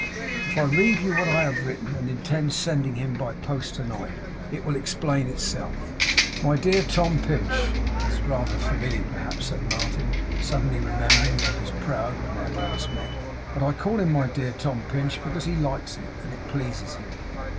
If I read you what I have written and intend sending to him by post to night it will explain itself. "My dear Tom Pinch." That's rather familiar perhaps,' said Martin, suddenly remembering that he was proud when they had last met, 'but I call him my dear Tom Pinch because he likes it, and it pleases him.